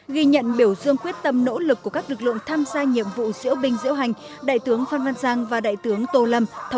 ghi nhận biểu dương quyết tâm nỗ lực của các lực lượng tham gia nhiệm vụ diễu binh diễu hành đại tướng phan văn giang và đại tướng tô lâm